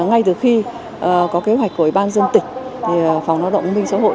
ngay từ khi có kế hoạch của ủy ban dân tỉnh phòng ngoại động nguyên minh xã hội